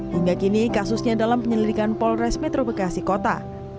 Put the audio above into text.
hingga kini kasusnya dalam penyelidikan polres metro bekasi kota